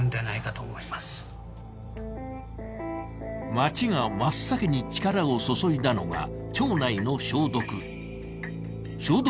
町が真っ先に力を注いだのが町内の消毒。